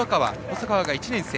細川が１年生。